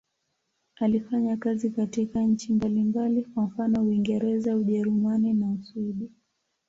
Alifanya kazi katika nchi mbalimbali, kwa mfano Uingereza, Ujerumani na Uswidi.